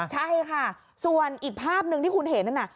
ใช่ค่ะส่วนอีกภาพหนึ่งที่คุณเห็นนั่นน่ะ